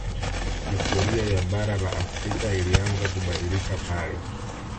Historia ya bara la Afrika ilianza kubadilika pale